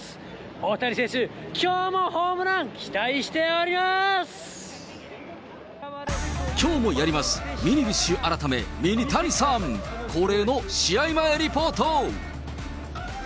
大谷選手、きょうもホームラン、きょうもやります、ミニビッシュ改めミニタニさん、恒例の試合前リポート。